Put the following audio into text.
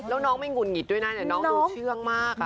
แล้วน้องไม่หุ่นหิดด้วยนะแต่น้องดูเชื่องมาก